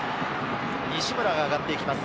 西村が上がっていきます。